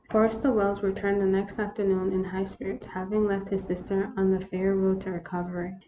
Forrester Wells returned the next afternoon in high spirits, having left his sister on the fair road to recovery.